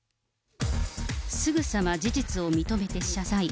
すぐさま事実を認めて謝罪。